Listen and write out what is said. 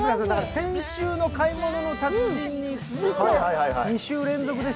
先週の「買い物の達人」に続いて２週連続です。